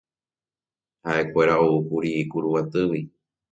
Ha'ekuéra oúkuri Kuruguatýgui.